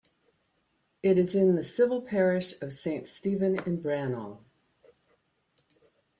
It is in the civil parish of Saint Stephen-in-Brannel.